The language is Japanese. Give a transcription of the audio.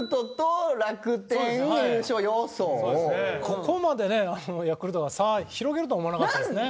ここまでねヤクルトが差広げるとは思わなかったですね。